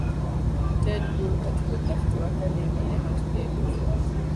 ted gurr katika utafiti wake aliangalia matukio yaliyofuata